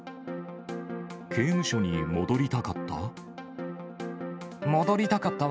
刑務所に戻りたかった？